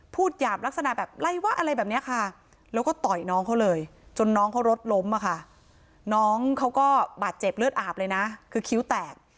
หยาบลักษณะแบบไล่วะอะไรแบบนี้ค่ะแล้วก็ต่อยน้องเขาเลยจนน้องเขารถล้มอะค่ะน้องเขาก็บาดเจ็บเลือดอาบเลยนะคือคิ้วแตก